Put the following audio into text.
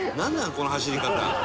この走り方」